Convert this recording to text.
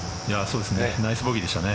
ナイスボギーでしたね。